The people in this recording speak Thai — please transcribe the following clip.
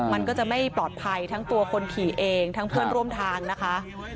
มันก็จะไม่ปลอดภัยทั้งตัวคนขี่เองทั้งเพื่อนร่วมทางนะคะ